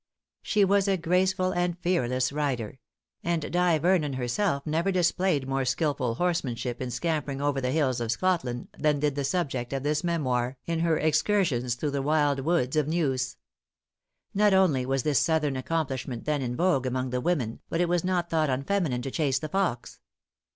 She was a graceful and fearless rider; and Die Vernon herself never displayed more skillful horsemanship in scampering over the hills of Scotland, than did the subject of this memoir, in her excursions through the wild woods of Neuse. Not only was this southern accomplishment then in vogue among the women, but it was not thought unfeminine to chase the fox.